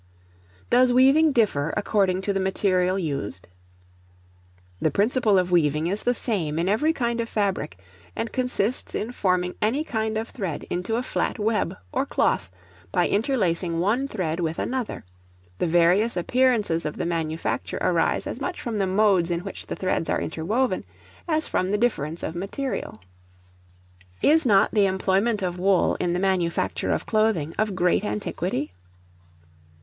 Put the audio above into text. Does weaving differ according to the material used? The principle of weaving is the same in every kind of fabric, and consists in forming any kind of thread into a flat web, or cloth, by interlacing one thread with another; the various appearances of the manufacture arise as much from the modes in which the threads are interwoven, as from the difference of material. Is not the employment of Wool in the manufacture of Clothing of great antiquity?